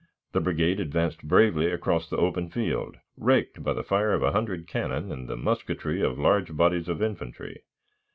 The brigade advanced bravely across the open field, raked by the fire of a hundred cannon and the musketry of large bodies of infantry.